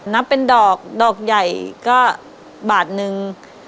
นับเป็นดอกดอกใหญ่ก็บาทนึง